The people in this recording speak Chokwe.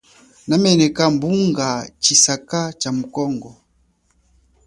Nameneka bunga tshisaka cha mu Congo.